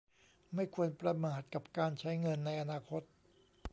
ไม่ควรประมาทกับการใช้เงินในอนาคต